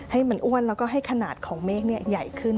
ให้มันอ้วนแล้วก็ให้ขนาดของเมฆใหญ่ขึ้น